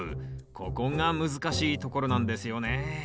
ここが難しいところなんですよね。